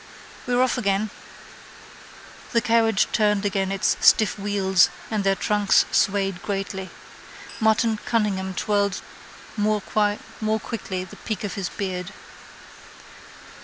—We're off again. The carriage turned again its stiff wheels and their trunks swayed gently. Martin Cunningham twirled more quickly the peak of his beard.